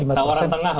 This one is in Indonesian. tawaran tengah begitu ya